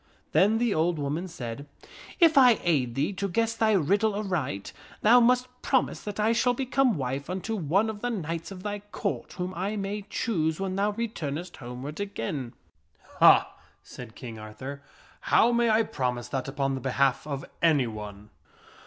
" Then the old woman said, " If I aid thee to guess thy riddle aright, thou must promise that I shall become wife unto one of the knights of thy Court, whom I may choose when thou returnest homeward again." " Ha !" said King Arthur, " how may I promise that upon the behalf of anyone?"